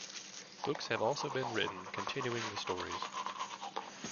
Books have also been written continuing the stories.